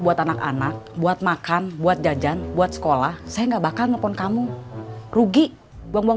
buat anak anak buat makan buat jajan buat sekolah saya enggak bakal nelfon kamu rugi buang buang